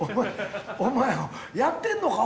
お前やってんのか？